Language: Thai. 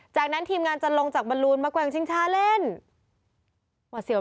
จากนั้นทีมงานจะลงจากบาลูนมากว้างชิงชาเล่นหวัดเสียว